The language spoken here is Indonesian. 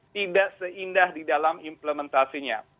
tidak seindah di dalam implementasinya